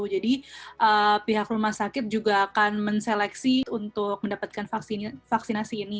jadi pihak rumah sakit juga akan menseleksi untuk mendapatkan vaksinasi ini